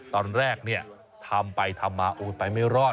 ตอนแรกทำไปทำมาโอ้ไปไม่รอด